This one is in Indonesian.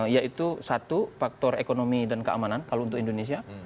yaitu satu faktor ekonomi dan keamanan kalau untuk indonesia